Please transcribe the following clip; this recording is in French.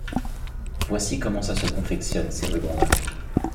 Voici comment ça se confectionne, ces rubans-là.